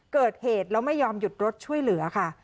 เกิดเหตุแล้วไม่ยอมหยุดรถช่วยเหลือค่ะ